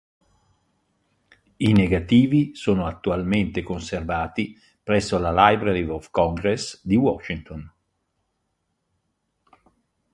I negativi sono attualmente conservati presso la Library of Congress di Washington.